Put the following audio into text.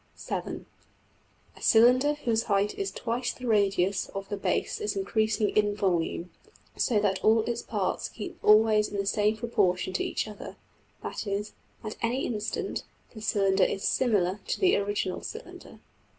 (7) A cylinder whose height is twice the radius of the base is increasing in volume, so that all its parts \DPPageSep{121.png}% keep always in the same proportion to each other; that is, at any instant, the cylinder is \emph{similar} to the original cylinder.